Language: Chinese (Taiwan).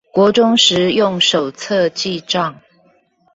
國中時用手冊記帳